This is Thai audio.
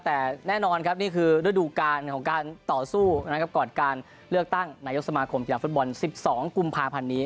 แต่แน่นอนครับนี่คือฤดูการของการต่อสู้นะครับก่อนการเลือกตั้งนายกสมาคมกีฬาฟุตบอล๑๒กุมภาพันธ์นี้